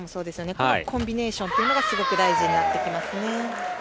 このコンビネーションがすごく大事になってきますね。